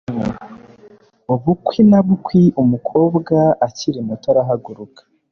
Bukwi na bukwi umukobwa akiri muto arahaguruka